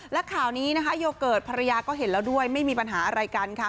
และข่าวนี้นะคะโยเกิร์ตภรรยาก็เห็นแล้วด้วยไม่มีปัญหาอะไรกันค่ะ